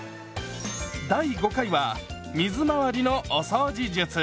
第５回は水回りのお掃除術！